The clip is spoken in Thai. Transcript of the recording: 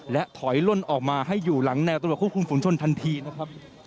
และถอยล่นออกมาให้อยู่หลังแนวตรวจควบคุมฝุงชนทันทีนะครับ